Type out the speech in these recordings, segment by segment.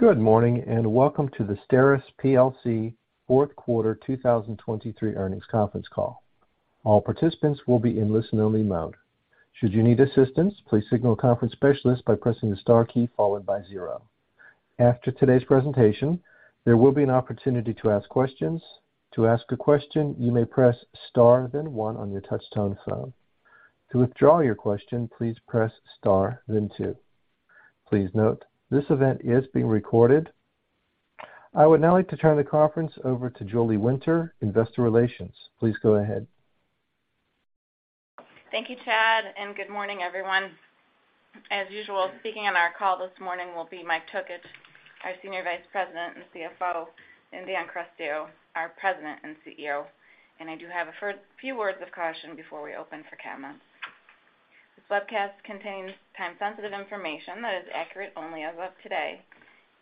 Good morning. Welcome to the STERIS plc fourth quarter 2023 earnings conference call. All participants will be in listen-only mode. Should you need assistance, please signal a conference specialist by pressing the star key followed by zero. After today's presentation, there will be an opportunity to ask questions. To ask a question, you may press star, then one on your touch-tone phone. To withdraw your question, please press star then two. Please note, this event is being recorded. I would now like to turn the conference over to Julie Winter, Investor Relations. Please go ahead. Thank you, Chad, good morning, everyone. As usual, speaking on our call this morning will be Michael Tokich, our Senior Vice President and CFO, and Daniel Carestio, our President and CEO. I do have a few words of caution before we open for comments. This broadcast contains time-sensitive information that is accurate only as of today.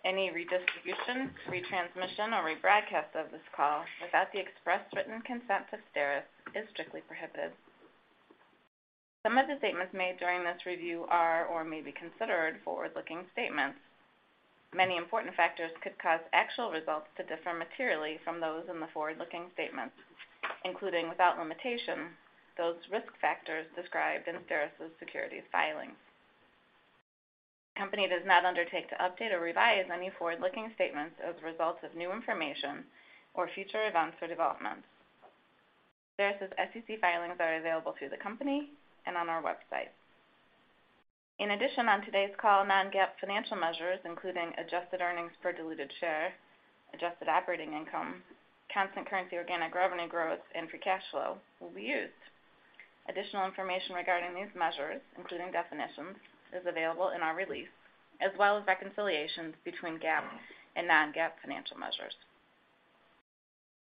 Any redistribution, retransmission, or rebroadcast of this call without the express written consent of STERIS is strictly prohibited. Some of the statements made during this review are or may be considered forward-looking statements. Many important factors could cause actual results to differ materially from those in the forward-looking statements, including without limitation, those risk factors described in STERIS's securities filings. The company does not undertake to update or revise any forward-looking statements as a result of new information or future events or developments. STERIS's SEC filings are available through the company and on our website. In addition, on today's call, non-GAAP financial measures, including adjusted earnings per diluted share, adjusted operating income, constant currency organic revenue growth, and free cash flow will be used. Additional information regarding these measures, including definitions, is available in our release, as well as reconciliations between GAAP and non-GAAP financial measures.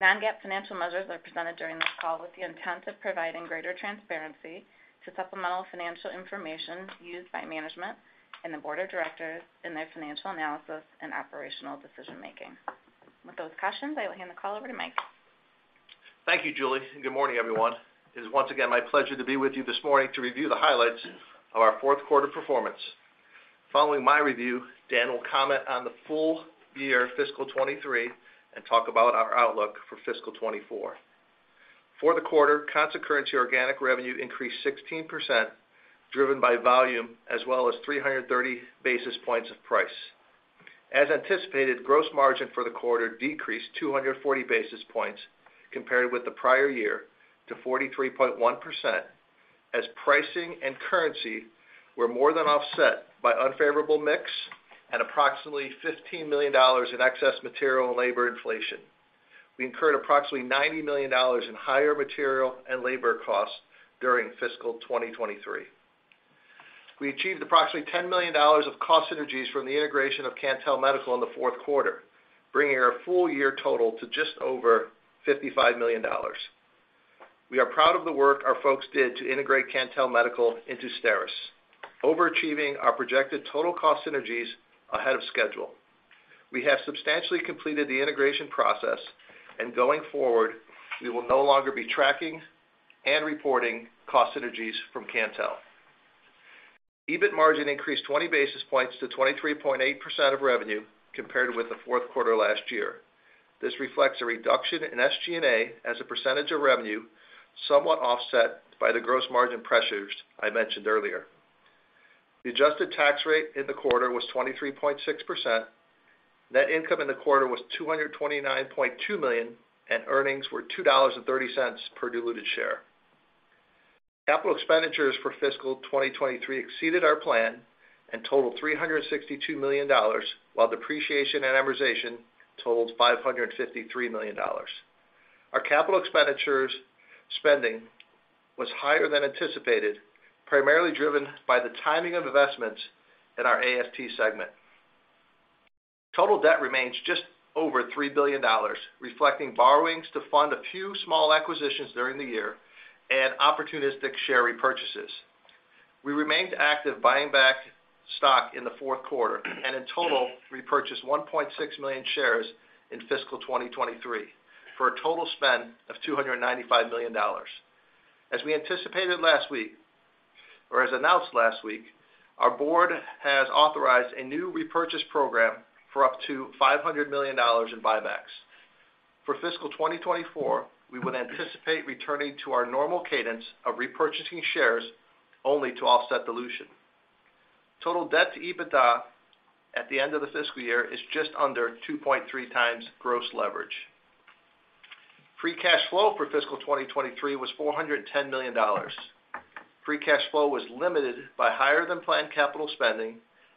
Non-GAAP financial measures are presented during this call with the intent of providing greater transparency to supplemental financial information used by management and the board of directors in their financial analysis and operational decision-making. With those cautions, I will hand the call over to Michael. Thank you, Julie. Good morning, everyone. It is once again my pleasure to be with you this morning to review the highlights of our fourth quarter performance. Following my review, Dan will comment on the full year fiscal 2023 and talk about our outlook for fiscal 2024. For the quarter, constant currency organic revenue increased 16%, driven by volume as well as 330 basis points of price. As anticipated, gross margin for the quarter decreased 240 basis points compared with the prior year to 43.1% as pricing and currency were more than offset by unfavorable mix at approximately $15 million in excess material and labor inflation. We incurred approximately $90 million in higher material and labor costs during fiscal 2023. We achieved approximately $10 million of cost synergies from the integration of Cantel Medical in the fourth quarter, bringing our full year total to just over $55 million. We are proud of the work our folks did to integrate Cantel Medical into STERIS, overachieving our projected total cost synergies ahead of schedule. We have substantially completed the integration process and going forward, we will no longer be tracking and reporting cost synergies from Cantel. EBIT margin increased 20 basis points to 23.8% of revenue compared with the fourth quarter last year. This reflects a reduction in SG&A as a percentage of revenue, somewhat offset by the gross margin pressures I mentioned earlier. The adjusted tax rate in the quarter was 23.6%. Net income in the quarter was $229.2 million, and earnings were $2.30 per diluted share. Capital expenditures for fiscal 2023 exceeded our plan and totaled $362 million, while depreciation and amortization totaled $553 million. Our capital expenditures spending was higher than anticipated, primarily driven by the timing of investments in our AST segment. Total debt remains just over $3 billion, reflecting borrowings to fund a few small acquisitions during the year and opportunistic share repurchases. We remained active buying back stock in the fourth quarter, and in total, repurchased 1.6 million shares in fiscal 2023 for a total spend of $295 million. As we anticipated last week, or as announced last week, our board has authorized a new repurchase program for up to $500 million in buybacks. For fiscal 2024, we would anticipate returning to our normal cadence of repurchasing shares only to offset dilution. Total debt to EBITDA at the end of the fiscal year is just under 2.3 x gross leverage. Free cash flow for fiscal 2023 was $410 million. Free cash flow was limited by higher than planned capital spending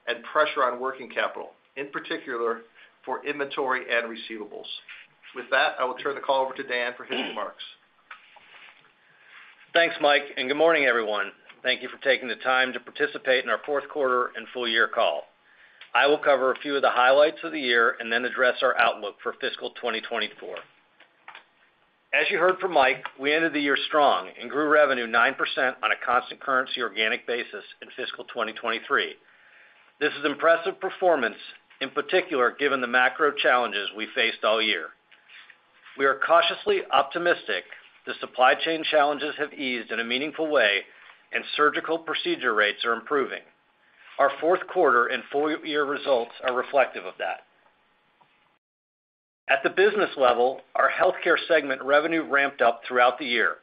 and pressure on working capital, in particular for inventory and receivables. I will turn the call over to Daniel for his remarks. Thanks, Michael. Good morning, everyone. Thank you for taking the time to participate in our fourth quarter and full year call. I will cover a few of the highlights of the year. Then address our outlook for fiscal 2024. As you heard from Michael, we ended the year strong and grew revenue 9% on a constant currency organic basis in fiscal 2023. This is impressive performance, in particular, given the macro challenges we faced all year. We are cautiously optimistic the supply chain challenges have eased in a meaningful way, and surgical procedure rates are improving. Our fourth quarter and full year results are reflective of that. At the business level, our Healthcare segment revenue ramped up throughout the year,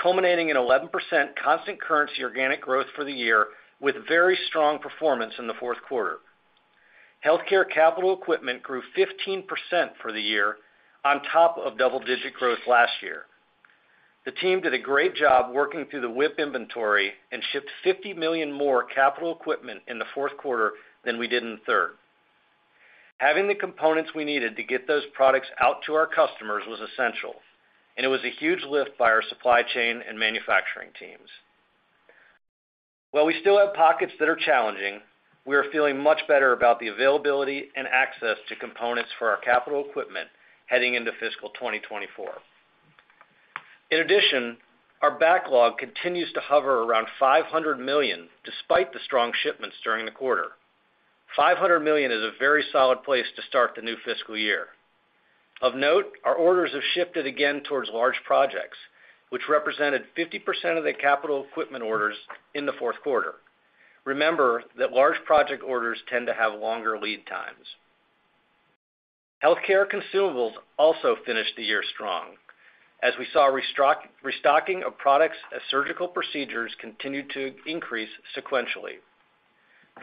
culminating in 11% constant currency organic growth for the year, with very strong performance in the fourth quarter. Healthcare capital equipment grew 15% for the year on top of double-digit growth last year. The team did a great job working through the whip inventory and shipped $50 million more capital equipment in the fourth quarter than we did in the third. Having the components we needed to get those products out to our customers was essential, and it was a huge lift by our supply chain and manufacturing teams. While we still have pockets that are challenging, we are feeling much better about the availability and access to components for our capital equipment heading into fiscal 2024. Our backlog continues to hover around $500 million despite the strong shipments during the quarter. $500 million is a very solid place to start the new fiscal year. Of note, our orders have shifted again towards large projects, which represented 50% of the capital equipment orders in the fourth quarter. Remember that large project orders tend to have longer lead times. Healthcare consumables also finished the year strong as we saw restocking of products as surgical procedures continued to increase sequentially.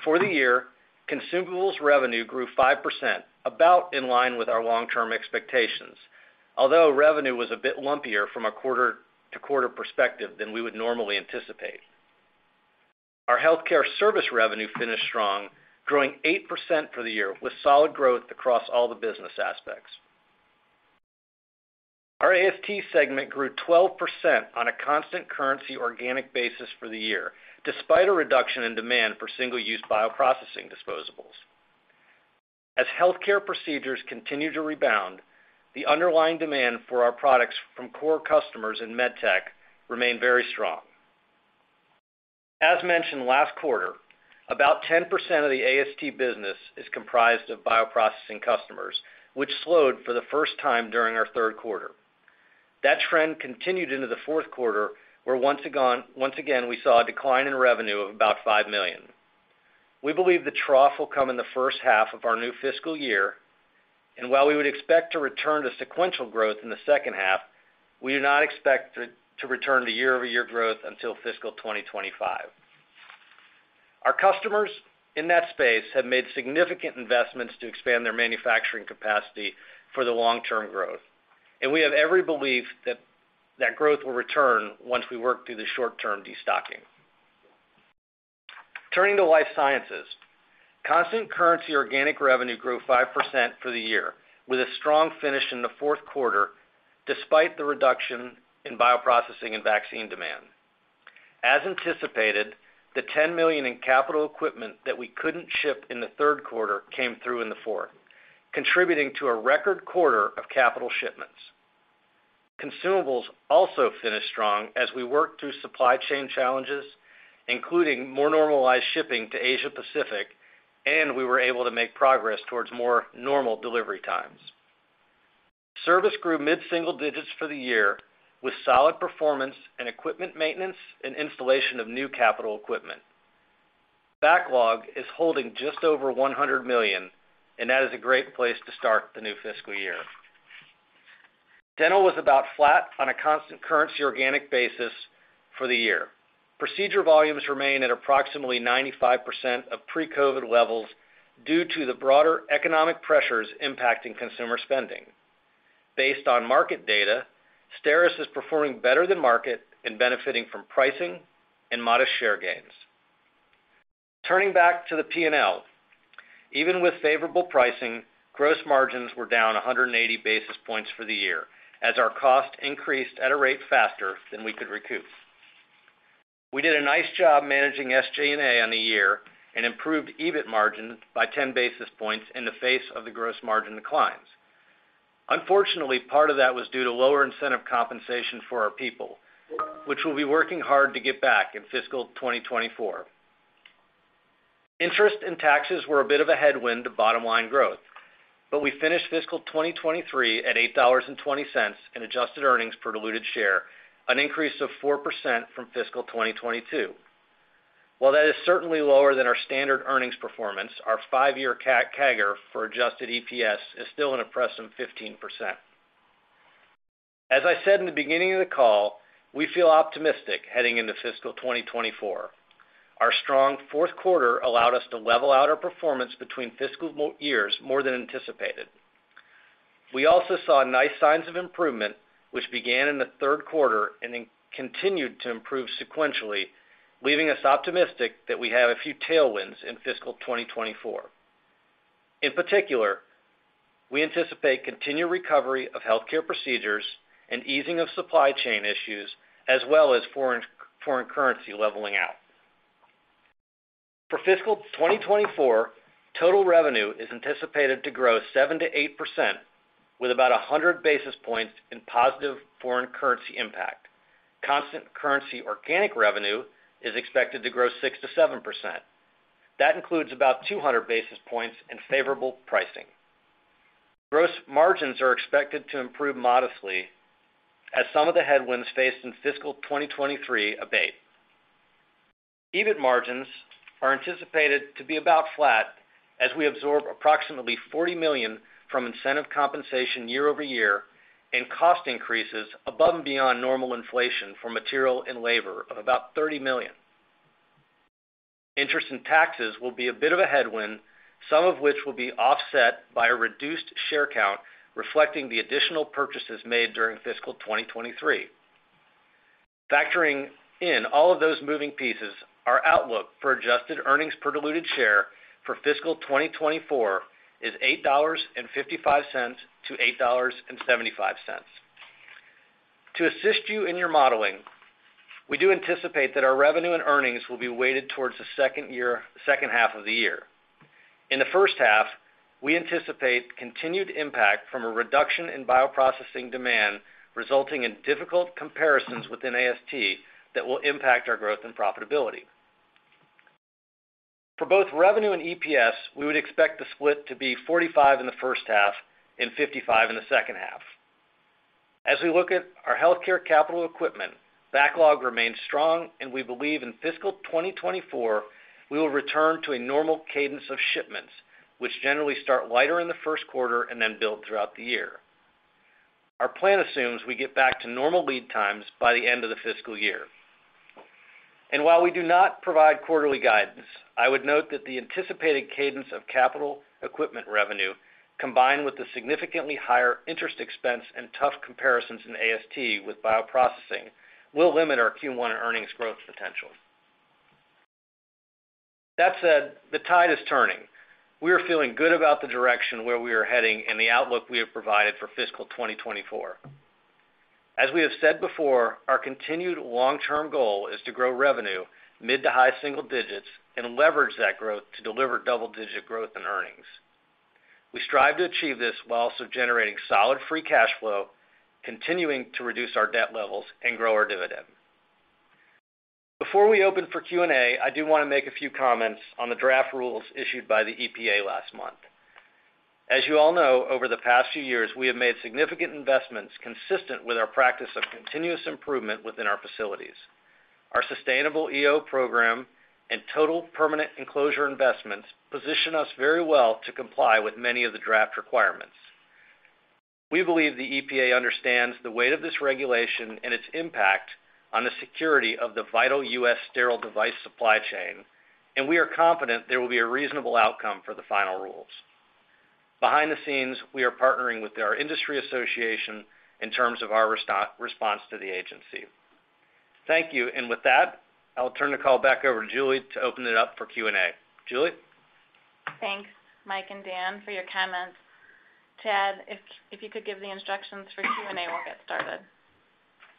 For the year, consumables revenue grew 5%, about in line with our long-term expectations. Revenue was a bit lumpier from a quarter-to-quarter perspective than we would normally anticipate. Our healthcare service revenue finished strong, growing 8% for the year, with solid growth across all the business aspects. Our AST segment grew 12% on a constant currency organic basis for the year, despite a reduction in demand for single-use bioprocessing disposables. Healthcare procedures continue to rebound, the underlying demand for our products from core customers in med tech remain very strong. Mentioned last quarter, about 10% of the AST business is comprised of bioprocessing customers, which slowed for the first time during our third quarter. That trend continued into the fourth quarter, where once again, we saw a decline in revenue of about $5 million. We believe the trough will come in the first half of our new fiscal year. While we would expect to return to sequential growth in the second half, we do not expect to return to year-over-year growth until fiscal 2025. Our customers in that space have made significant investments to expand their manufacturing capacity for the long-term growth. We have every belief that growth will return once we work through the short term destocking. Turning to life sciences. Constant currency organic revenue grew 5% for the year, with a strong finish in the fourth quarter, despite the reduction in bioprocessing and vaccine demand. As anticipated, the $10 million in capital equipment that we couldn't ship in the third quarter came through in the fourth, contributing to a record quarter of capital shipments. Consumables also finished strong as we worked through supply chain challenges, including more normalized shipping to Asia Pacific, and we were able to make progress towards more normal delivery times. Service grew mid-single digits for the year, with solid performance and equipment maintenance and installation of new capital equipment. Backlog is holding just over $100 million. That is a great place to start the new fiscal year. Dental was about flat on a constant currency organic basis for the year. Procedure volumes remain at approximately 95% of pre-COVID levels due to the broader economic pressures impacting consumer spending. Based on market data, STERIS is performing better than market. Benefiting from pricing and modest share gains. Turning back to the P&L. Even with favorable pricing, gross margins were down 180 basis points for the year as our cost increased at a rate faster than we could recoup. We did a nice job managing SG&A on the year and improved EBIT margin by 10 basis points in the face of the gross margin declines. Unfortunately, part of that was due to lower incentive compensation for our people, which we'll be working hard to get back in fiscal 2024. Interest and taxes were a bit of a headwind to bottom-line growth, but we finished fiscal 2023 at $8.20 in adjusted earnings per diluted share, an increase of 4% from fiscal 2022. While that is certainly lower than our standard earnings performance, our five-year CAGR for adjusted EPS is still an impressive 15%. As I said in the beginning of the call, we feel optimistic heading into fiscal 2024. Our strong fourth quarter allowed us to level out our performance between fiscal years more than anticipated. We also saw nice signs of improvement, which began in the third quarter and then continued to improve sequentially, leaving us optimistic that we have a few tailwinds in fiscal 2024. In particular, we anticipate continued recovery of healthcare procedures and easing of supply chain issues, as well as foreign currency leveling out. For fiscal 2024, total revenue is anticipated to grow 7%-8% with about 100 basis points in positive foreign currency impact. Constant currency organic revenue is expected to grow 6%-7%. That includes about 200 basis points in favorable pricing. Gross margins are expected to improve modestly as some of the headwinds faced in fiscal 2023 abate. EBIT margins are anticipated to be about flat as we absorb approximately $40 million from incentive compensation year-over-year and cost increases above and beyond normal inflation for material and labor of about $30 million. Interest in taxes will be a bit of a headwind, some of which will be offset by a reduced share count reflecting the additional purchases made during fiscal 2023. Factoring in all of those moving pieces, our outlook for adjusted earnings per diluted share for fiscal 2024 is $8.55-$8.75. To assist you in your modeling, we do anticipate that our revenue and earnings will be weighted towards the second half of the year. In the first half, we anticipate continued impact from a reduction in bioprocessing demand, resulting in difficult comparisons within AST that will impact our growth and profitability. For both revenue and EPS, we would expect the split to be 45 in the first half and 55 in the second half. As we look at our healthcare capital equipment, backlog remains strong, and we believe in fiscal 2024, we will return to a normal cadence of shipments, which generally start lighter in the first quarter and then build throughout the year. Our plan assumes we get back to normal lead times by the end of the fiscal year. While we do not provide quarterly guidance, I would note that the anticipated cadence of capital equipment revenue, combined with the significantly higher interest expense and tough comparisons in AST with bioprocessing, will limit our Q1 earnings growth potential. That said, the tide is turning. We are feeling good about the direction where we are heading and the outlook we have provided for fiscal 2024. As we have said before, our continued long-term goal is to grow revenue mid to high single digits and leverage that growth to deliver double-digit growth in earnings. We strive to achieve this while also generating solid free cash flow, continuing to reduce our debt levels and grow our dividend. Before we open for Q&A, I do want to make a few comments on the draft rules issued by the EPA last month. As you all know, over the past few years, we have made significant investments consistent with our practice of continuous improvement within our facilities. Our sustainable EO program and total permanent enclosure investments position us very well to comply with many of the draft requirements. We believe the EPA understands the weight of this regulation and its impact on the security of the vital U.S. sterile device supply chain, and we are confident there will be a reasonable outcome for the final rules. Behind the scenes, we are partnering with our industry association in terms of our response to the agency. Thank you. With that, I'll turn the call back over to Julie to open it up for Q&A. Julie? Thanks, Michael and Daniel, for your comments. Ted, if you could give the instructions for Q&A, we'll get started.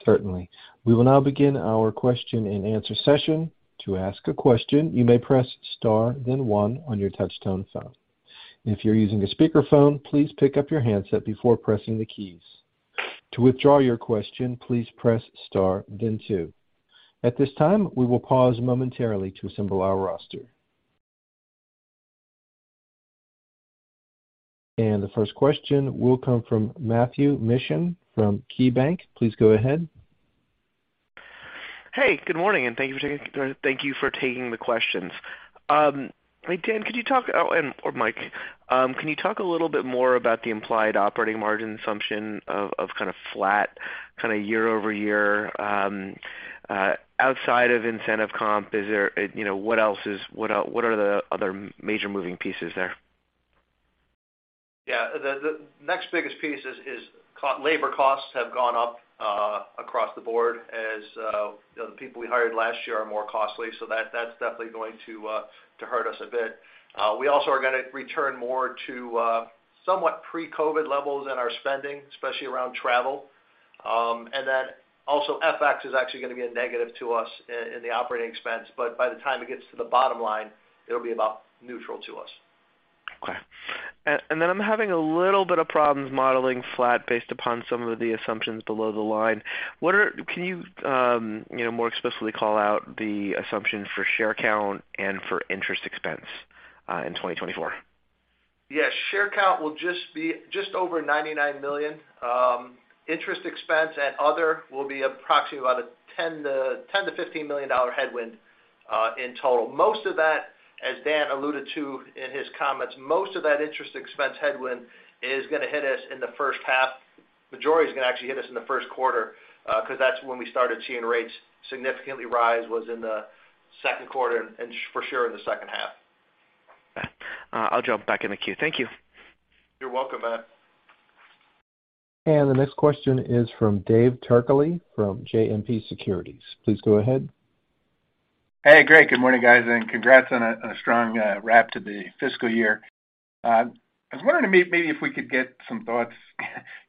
Certainly. We will now begin our question-and-answer session. To ask a question, you may press star then one on your touch tone phone. If you're using a speakerphone, please pick up your handset before pressing the keys. To withdraw your question, please press star then two. At this time, we will pause momentarily to assemble our roster. The first question will come from Matthew Mishan from KeyBanc. Please go ahead. Hey, good morning. Thank you for taking the questions. Hey, Daniel, could you talk, or Michael, can you talk a little bit more about the implied operating margin assumption of kind of flat, kinda year-over-year, outside of incentive comp? Is there, you know, what are the other major moving pieces there? Yeah. The next biggest piece is labor costs have gone up across the board as, you know, the people we hired last year are more costly. That's definitely going to hurt us a bit. We also are gonna return more to somewhat pre-COVID levels in our spending, especially around travel. Also FX is actually gonna be a negative to us in the operating expense, but by the time it gets to the bottom line, it'll be about neutral to us. Okay. Then I'm having a little bit of problems modeling flat based upon some of the assumptions below the line. Can you know, more explicitly call out the assumption for share count and for interest expense, in 2024? Yes. Share count will just be just over 99 million. Interest expense and other will be approximately about a $10 million-$15 million headwind in total. Most of that, as Daniel alluded to in his comments, most of that interest expense headwind is gonna hit us in the first half. Majority is gonna actually hit us in the first quarter, 'cause that's when we started seeing rates significantly rise was in the second quarter and for sure in the second half. Okay. I'll jump back in the queue. Thank you. You're welcome, Matthew. The next question is from David Turkaly from JMP Securities. Please go ahead. Great. Good morning, guys, and congrats on a strong wrap to the fiscal year. I was wondering maybe if we could get some thoughts,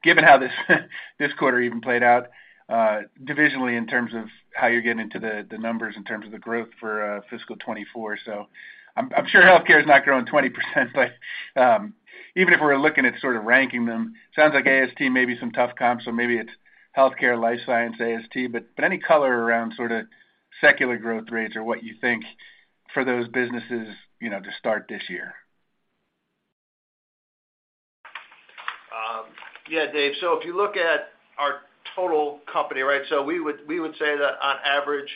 given how this quarter even played out, divisionally in terms of how you're getting to the numbers in terms of the growth for fiscal 2024. I'm sure healthcare is not growing 20%, but Even if we're looking at sort of ranking them, sounds like AST may be some tough comps, so maybe it's healthcare, life science, AST. Any color around sort of secular growth rates or what you think for those businesses, you know, to start this year? Yeah, David. If you look at our total company, right, we would, we would say that on average,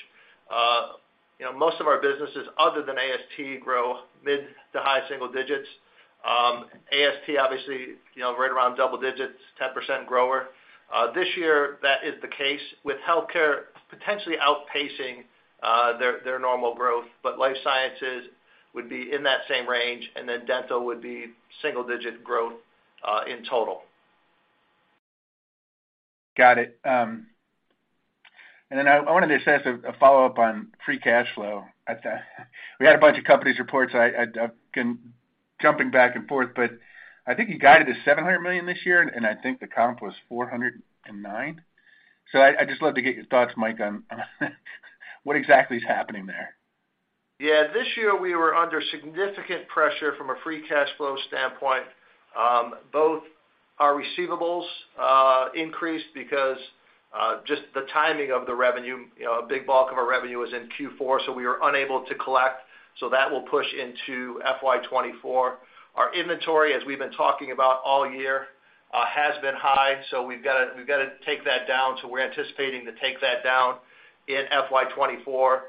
you know, most of our businesses other than AST grow mid to high single digits. AST obviously, you know, right around double digits, 10% grower. This year, that is the case with healthcare potentially outpacing, their normal growth. Life sciences would be in that same range, and then dental would be single digit growth in total. Got it. I wanted to just ask a follow-up on free cash flow. We had a bunch of companies report, so I've been jumping back and forth, but I think you guided to $700 million this year, and I think the comp was $409. I'd just love to get your thoughts, Michael, on what exactly is happening there. This year, we were under significant pressure from a free cash flow standpoint. Both our receivables increased because just the timing of the revenue. You know, a big bulk of our revenue was in Q4, so we were unable to collect. That will push into FY 2024. Our inventory, as we've been talking about all year, has been high, so we've gotta take that down. We're anticipating to take that down in FY 2024.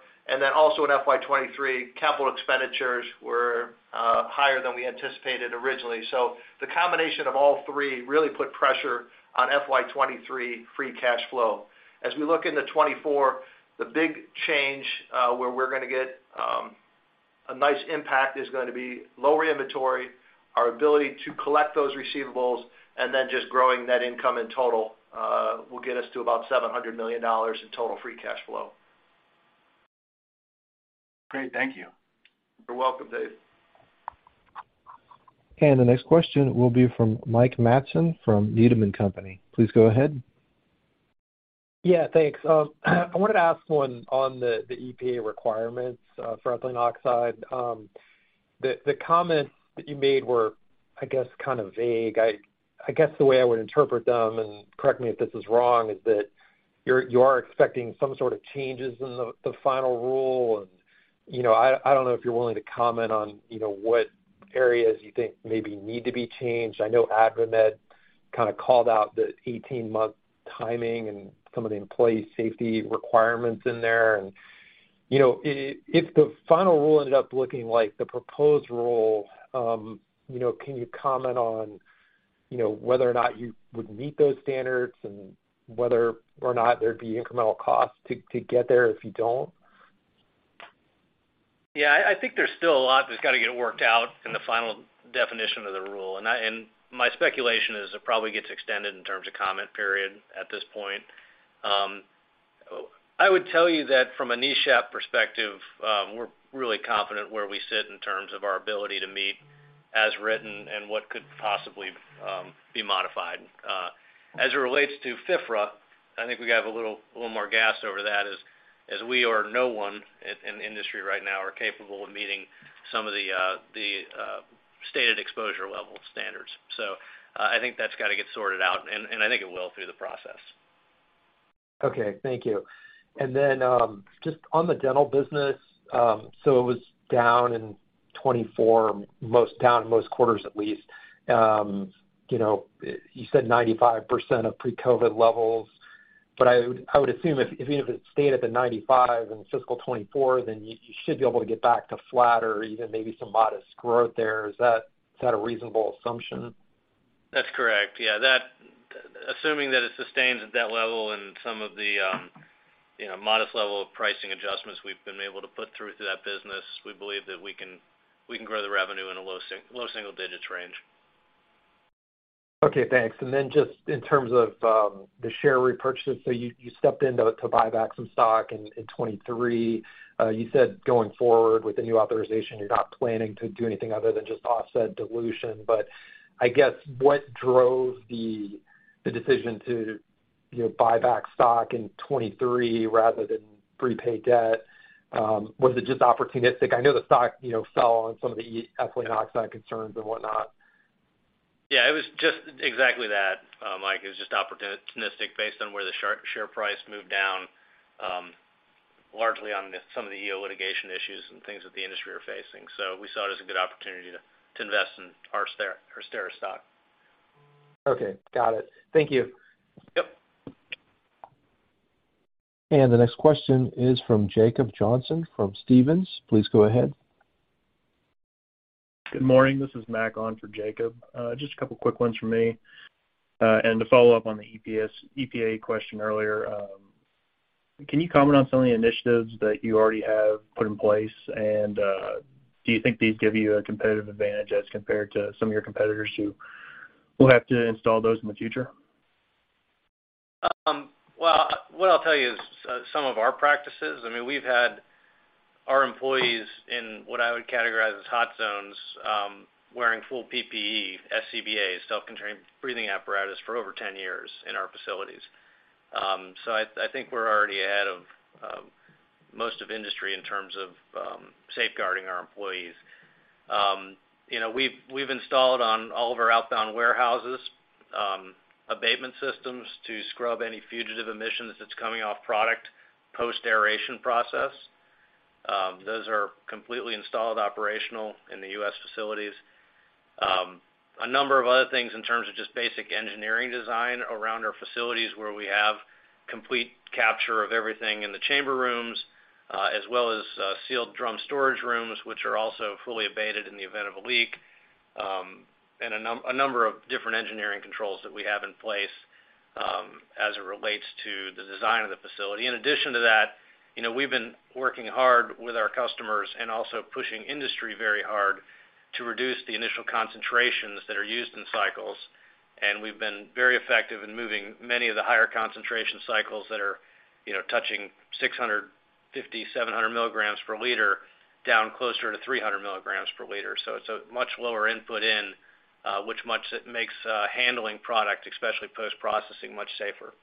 Also in FY 2023, capital expenditures were higher than we anticipated originally. The combination of all three really put pressure on FY 2023 free cash flow. As we look into 2024, the big change, where we're gonna get a nice impact is gonna be lower inventory, our ability to collect those receivables, and then just growing net income in total, will get us to about $700 million in total free cash flow. Great. Thank you. You're welcome, David. The next question will be from Mike Matson from Needham & Company. Please go ahead. Yeah, thanks. I wanted to ask one on the EPA requirements for ethylene oxide. The comments that you made were, I guess, kind of vague. I guess the way I would interpret them, and correct me if this is wrong, is that you are expecting some sort of changes in the final rule. You know, I don't know if you're willing to comment on, you know, what areas you think maybe need to be changed. I know AdvaMed kinda called out the 18-month timing and some of the employee safety requirements in there. You know, if the final rule ended up looking like the proposed rule, you know, can you comment on, you know, whether or not you would meet those standards and whether or not there'd be incremental costs to get there if you don't? I think there's still a lot that's gotta get worked out in the final definition of the rule. My speculation is it probably gets extended in terms of comment period at this point. I would tell you that from a MedSurg perspective, we're really confident where we sit in terms of our ability to meet as written and what could possibly be modified. As it relates to FIFRA, I think we have a little more gas over that as we or no one in the industry right now are capable of meeting some of the stated exposure level standards. I think that's gotta get sorted out, and I think it will through the process. Okay. Thank you. Just on the dental business, it was down in most quarters at least. You know, you said 95% of pre-COVID levels, but I would assume if even if it stayed at the 95 in fiscal 2024, then you should be able to get back to flat or even maybe some modest growth there. Is that a reasonable assumption? That's correct. Yeah, assuming that it sustains at that level and some of the, you know, modest level of pricing adjustments we've been able to put through to that business, we believe that we can grow the revenue in a low single digits range. Okay, thanks. Then just in terms of the share repurchase, you stepped in to buy back some stock in 23. You said going forward with the new authorization, you're not planning to do anything other than just offset dilution. I guess what drove the decision to, you know, buy back stock in 23 rather than prepay debt? Was it just opportunistic? I know the stock, you know, fell on some of the ethylene oxide concerns and whatnot. Yeah. It was just exactly that, Mike. It was just opportunistic based on where the share price moved down, largely on the some of the EO litigation issues and things that the industry are facing. We saw it as a good opportunity to invest in our STERIS stock. Okay. Got it. Thank you. Yep. The next question is from Jacob Johnson from Stephens. Please go ahead. Good morning. Just a couple quick ones from me. To follow up on the EPA question earlier, can you comment on some of the initiatives that you already have put in place? Do you think these give you a competitive advantage as compared to some of your competitors who will have to install those in the future? Well, what I'll tell you is, some of our practices, I mean, we've had our employees in what I would categorize as hot zones, wearing full PPE, SCBA, self-contained breathing apparatus, for over 10 years in our facilities. I think we're already ahead of most of industry in terms of safeguarding our employees. You know, we've installed on all of our outbound warehouses, abatement systems to scrub any fugitive emissions that's coming off product post aeration process. Those are completely installed, operational in the U.S. facilities. A number of other things in terms of just basic engineering design around our facilities where we have complete capture of everything in the chamber rooms, as well as sealed drum storage rooms, which are also fully abated in the event of a leak, and a number of different engineering controls that we have in place, as it relates to the design of the facility. In addition to that, you know, we've been working hard with our customers and also pushing industry very hard to reduce the initial concentrations that are used in cycles. We've been very effective in moving many of the higher concentration cycles that are, you know, touching 650, 700 milligrams per liter down closer to 300 milligrams per liter. It's a much lower input in, which it makes handling product, especially post-processing, much safer.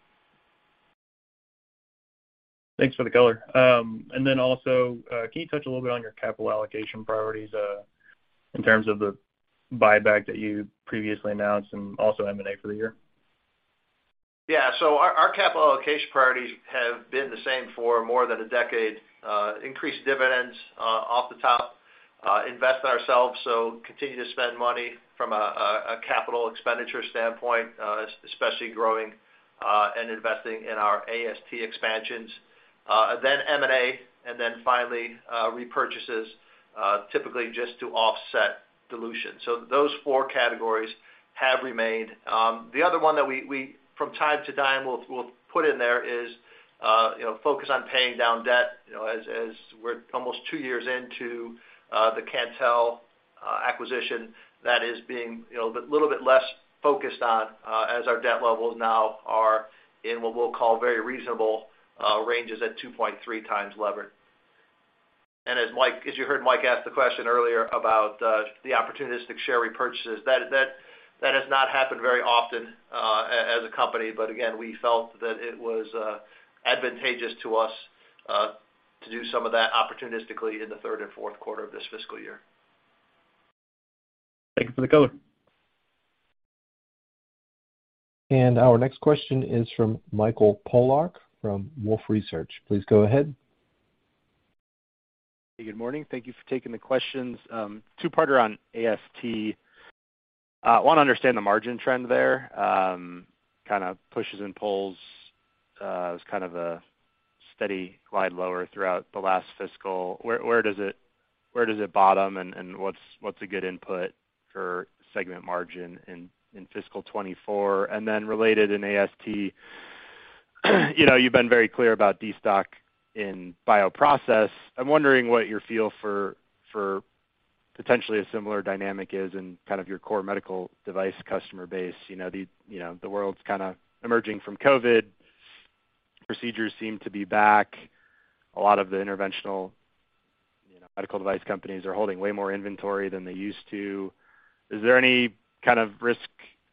Thanks for the color. Can you touch a little bit on your capital allocation priorities in terms of the buyback that you previously announced and also M&A for the year? Our capital allocation priorities have been the same for more than a decade. Increase dividends off the top, invest in ourselves, continue to spend money from a capital expenditure standpoint, especially growing and investing in our AST expansions, then M&A and then finally repurchases, typically just to offset dilution. Those four categories have remained. The other one that we from time to time will put in there is, you know, focus on paying down debt, you know, as we're almost two years into the Cantel acquisition that is being, you know, but little bit less focused on, as our debt levels now are in what we'll call very reasonable ranges at 2.3x levered. As you heard Mike ask the question earlier about, the opportunistic share repurchases, that has not happened very often, as a company. Again, we felt that it was, advantageous to us, to do some of that opportunistically in the third and fourth quarter of this fiscal year. Thank you for the color. Our next question is from Michael Polark from Wolfe Research. Please go ahead. Good morning. Thank you for taking the questions. Two-parter on AST. Wanna understand the margin trend there. Kind of pushes and pulls, as kind of a steady glide lower throughout the last fiscal. Where does it bottom, and what's a good input for segment margin in fiscal 2024? Related in AST, you know, you've been very clear about destock in bioprocess. I'm wondering what your feel for potentially a similar dynamic is in kind of your core medical device customer base. You know, the world's kind of emerging from COVID. Procedures seem to be back. A lot of the interventional, you know, medical device companies are holding way more inventory than they used to. Is there any kind of risk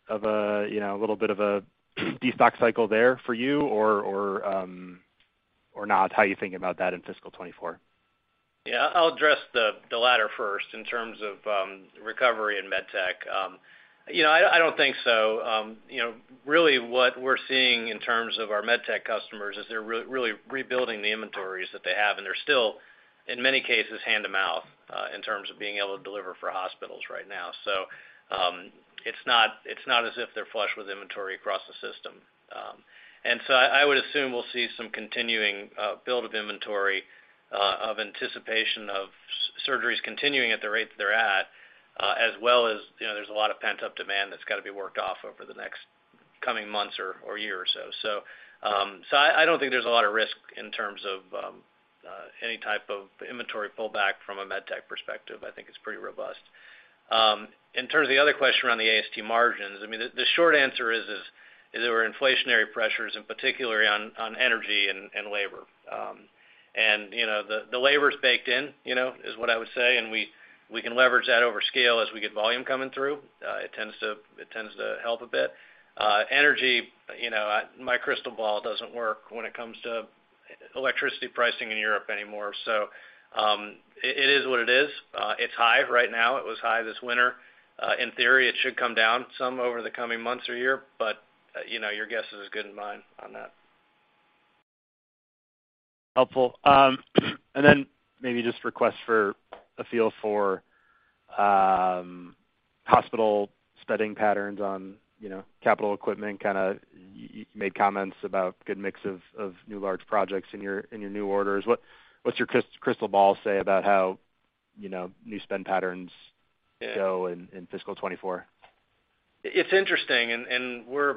of a, you know, a little bit of a destock cycle there for you or, or not? How are you thinking about that in fiscal 2024? Yeah. I'll address the latter first in terms of recovery in MedSurg. You know, I don't think so. You know, really what we're seeing in terms of our MedSurg customers is they're really rebuilding the inventories that they have, and they're still, in many cases, hand to mouth in terms of being able to deliver for hospitals right now. It's not, it's not as if they're flush with inventory across the system. I would assume we'll see some continuing build of inventory of anticipation of surgeries continuing at the rate that they're at, as well as, you know, there's a lot of pent-up demand that's got to be worked off over the next coming months or year or so. I don't think there's a lot of risk in terms of any type of inventory pullback from a MedSurg perspective. I think it's pretty robust. In terms of the other question around the AST margins, I mean, the short answer is, there were inflationary pressures in particular on energy and labor. You know, the labor's baked in, you know, is what I would say, and we can leverage that over scale as we get volume coming through. It tends to help a bit. Energy, you know, my crystal ball doesn't work when it comes to electricity pricing in Europe anymore. It is what it is. It's high right now. It was high this winter. In theory, it should come down some over the coming months or year. You know, your guess is as good as mine on that. Helpful. Maybe just request for a feel for hospital spending patterns on, you know, capital equipment? You made comments about good mix of new large projects in your new orders. What's your crystal ball say about how, you know, new spend patterns show in fiscal 2024? It's interesting, and we're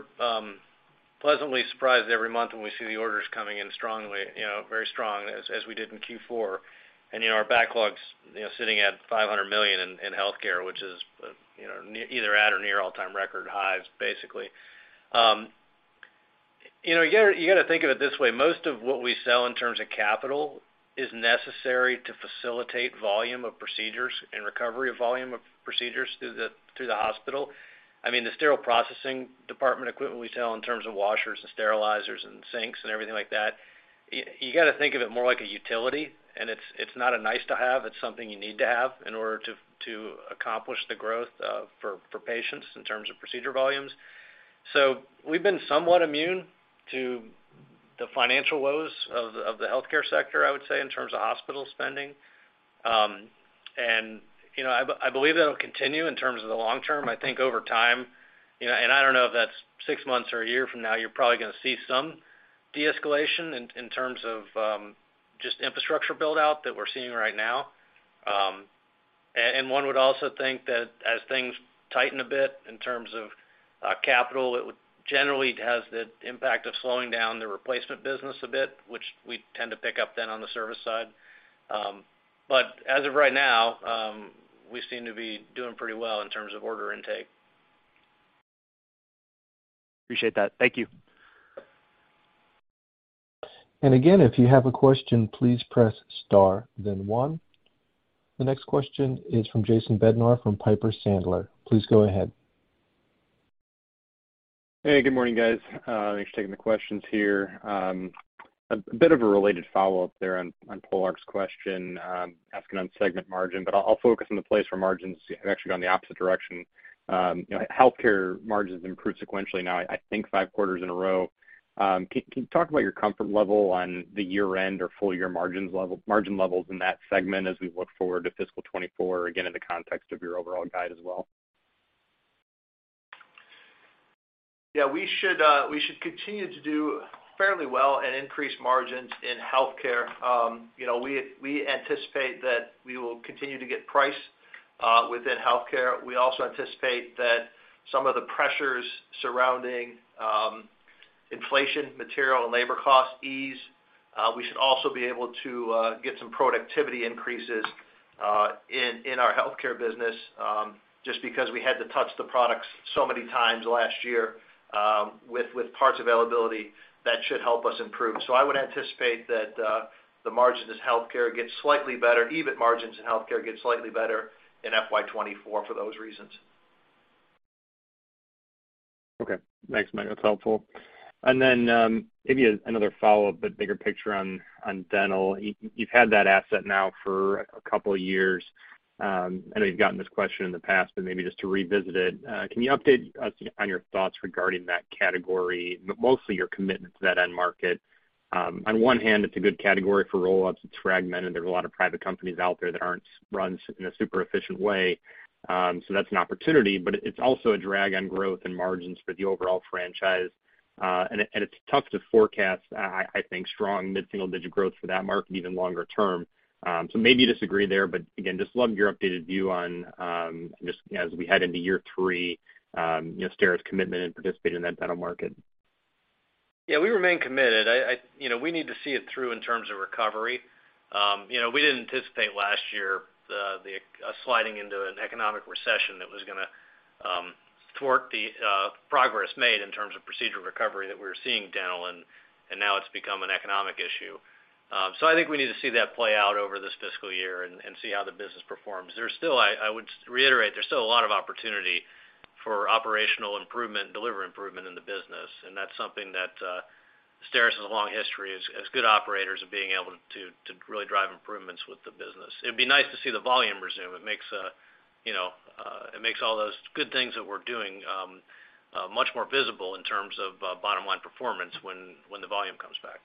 pleasantly surprised every month when we see the orders coming in strongly, you know, very strong as we did in Q4. Our backlogs, you know, sitting at $500 million in healthcare, which is, you know, either at or near all-time record highs, basically. You gotta think of it this way. Most of what we sell in terms of capital is necessary to facilitate volume of procedures and recovery of volume of procedures through the hospital. I mean, the sterile processing department equipment we sell in terms of washers and sterilizers and sinks and everything like that. You gotta think of it more like a utility, and it's not a nice to have, it's something you need to have in order to accomplish the growth for patients in terms of procedure volumes. We've been somewhat immune to the financial woes of the healthcare sector, I would say, in terms of hospital spending. You know, I believe that'll continue in terms of the long term. I think over time, you know, and I don't know if that's six months or a year from now, you're probably gonna see some de-escalation in terms of just infrastructure build-out that we're seeing right now. one would also think that as things tighten a bit in terms of capital, it would generally has the impact of slowing down the replacement business a bit, which we tend to pick up then on the service side. As of right now, we seem to be doing pretty well in terms of order intake. Appreciate that. Thank you. Again, if you have a question, please press star then one. The next question is from Jason Bednar from Piper Sandler. Please go ahead. Hey, good morning, guys. Thanks for taking the questions here. A bit of a related follow-up there on Polark's question, asking on segment margin, but I'll focus on the place where margins have actually gone the opposite direction. You know, healthcare margins improved sequentially now I think five quarters in a row. Can you talk about your comfort level on the year-end or full year margin levels in that segment as we look forward to fiscal 2024, again, in the context of your overall guide as well? Yeah, we should continue to do fairly well and increase margins in healthcare. You know, we anticipate that we will continue to get price within healthcare. We also anticipate that some of the pressures surrounding inflation, material and labor costs ease. We should also be able to get some productivity increases in our healthcare business, just because we had to touch the products so many times last year, with parts availability, that should help us improve. I would anticipate that the margins in healthcare get slightly better, EBIT margins in healthcare get slightly better in FY 2024 for those reasons. Okay. Thanks, Michael. That's helpful. Maybe another follow-up, but bigger picture on dental. You've had that asset now for a couple of years. I know you've gotten this question in the past, but maybe just to revisit it, can you update us on your thoughts regarding that category, mostly your commitment to that end market. On one hand, it's a good category for roll-ups. It's fragmented. There's a lot of private companies out there that aren't run in a super efficient way. That's an opportunity, but it's also a drag on growth and margins for the overall franchise. It's tough to forecast, I think, strong mid-single-digit growth for that market even longer term. maybe you disagree there, but again, just love your updated view on, just as we head into year three, you know, STERIS' commitment and participating in that dental market. Yeah, we remain committed. I, you know, we need to see it through in terms of recovery. You know, we didn't anticipate last year the sliding into an economic recession that was gonna thwart the progress made in terms of procedural recovery that we were seeing dental and now it's become an economic issue. I think we need to see that play out over this fiscal year and see how the business performs. I would reiterate, there's still a lot of opportunity for operational improvement and delivery improvement in the business, and that's something that STERIS has a long history as good operators of being able to really drive improvements with the business. It'd be nice to see the volume resume. It makes, you know, it makes all those good things that we're doing, much more visible in terms of, bottom line performance when the volume comes back.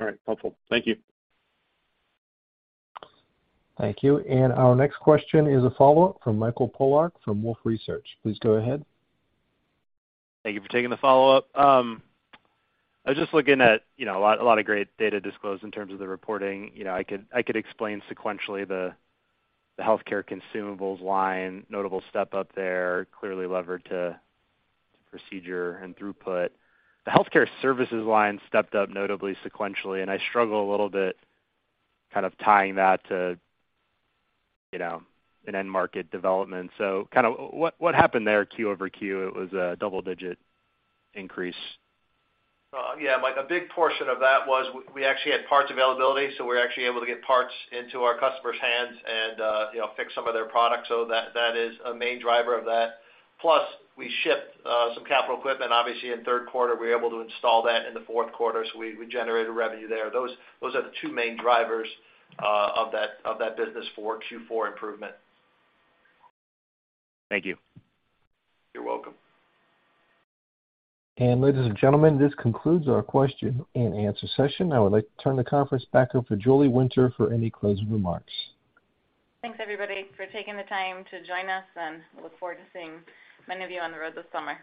All right. Helpful. Thank you. Thank you. Our next question is a follow-up from Michael Polark from Wolfe Research. Please go ahead. Thank you for taking the follow-up. I was just looking at, you know, a lot of great data disclosed in terms of the reporting. You know, I could explain sequentially the healthcare consumables line, notable step up there, clearly levered to procedure and throughput. The healthcare services line stepped up notably sequentially, and I struggle a little bit kind of tying that to, you know, an end market development. Kind of what happened there Q-over-Q? It was a double-digit increase. Yeah, Michael, a big portion of that was we actually had parts availability, so we're actually able to get parts into our customers' hands and, you know, fix some of their products. That is a main driver of that. Plus, we shipped some capital equipment. Obviously, in third quarter, we're able to install that in the fourth quarter, so we generated revenue there. Those are the two main drivers of that business for Q4 improvement. Thank you. You're welcome. Ladies and gentlemen, this concludes our question-and-answer session. I would like to turn the conference back over to Julie Winter for any closing remarks. Thanks, everybody, for taking the time to join us, and we look forward to seeing many of you on the road this summer.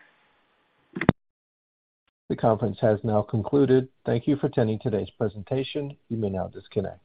The conference has now concluded. Thank you for attending today's presentation. You may now disconnect.